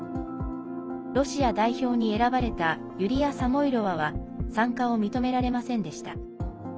ロシア代表に選ばれたユリア・サモイロワは参加を認められませんでした。